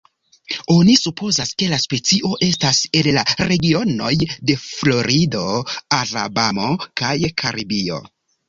Oni supozas, ke la specio estis el la regionoj de Florido, Alabamo kaj Karibio.